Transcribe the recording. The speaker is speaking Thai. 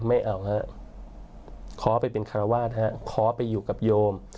ไม่เอาฮะขอไปเป็นคารวาสฮะขอไปอยู่กับโยม